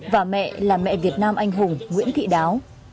và mẹ là mẹ việt nam anh hùng nguyễn thị đáo